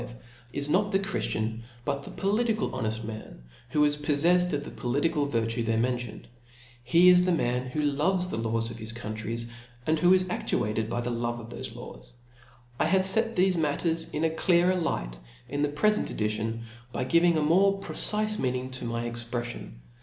v. is not the chrijiicin, hut the pdliticdl honejl man^ who is poffejfed of the political virtue there mentioned, tie 'is the man who loves the laws of^is country ,' md who is^aSluatedby the love oftbbfe laws, ^t/have fet thefe nidtiers in a clear er^llght in tfJept efent eiitionf by giving' a more pNcife meaning tcf my exprejjion